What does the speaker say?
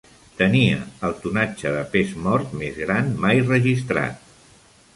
Tenia el tonatge de pes mort més gran, mai registrat.